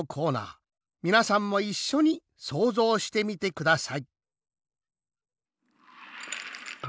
みなさんもいっしょに想像してみてください。